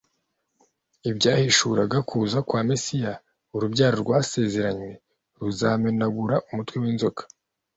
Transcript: ibyahishuraga kuza kwa Mesiya. Urubyaro rwasezeranywe ruzamenagura umutwe w'inzoka;